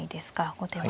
後手は。